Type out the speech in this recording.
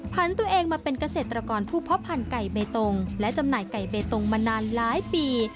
ตัวเองมาเป็นเกษตรกรผู้เพาะพันธุไก่เบตงและจำหน่ายไก่เบตงมานานหลายปี